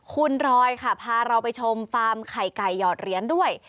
คุณรอยค่ะพาเราไปชมฟาร์มไข่ไก่หยอดเหรียญด้วย